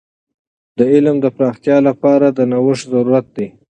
د علم د پراختیا لپاره د نوښت ضرورت دی.